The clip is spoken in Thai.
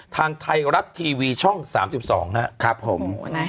ทางไทยรัฐทีวีช่อง๓๒นะครับผม